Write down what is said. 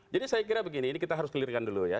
jadi saya kira begini ini kita harus clearkan dulu ya